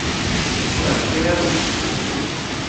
Tebɣiḍ ad k-iɛawen?